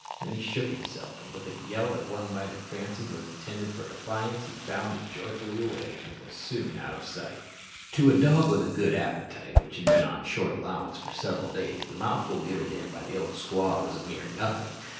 Then he shook himself, and with a yell that one might have fancied was intended for defiance he bounded joyfully away, and was soon out of sight. To a dog with a good appetite which had been on short allowance for several days, the mouthful given to him by the old squaw was a mere nothing.